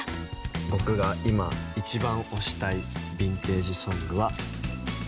僕が今一番推したいヴィンテージ・ソングは。